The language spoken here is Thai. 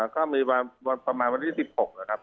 ก็มีบ้านประมาณวันที่๒๖ครับ